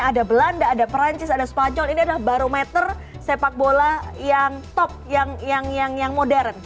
ada belanda ada perancis ada spanyol ini adalah barometer sepak bola yang top yang modern